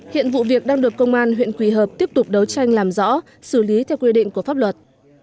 hiện vụ việc đang được công an huyện quỳ hợp tiếp tục đấu tranh làm rõ xử lý theo quy định của pháp luật